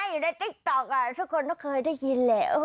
อยู่ในติ๊กต่อก่ะทุกคนคิดได้ยินแล้ว